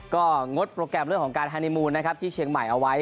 ก็งดโปรแกรมเรื่องของการฮานีมูลนะครับที่เชียงใหม่เอาไว้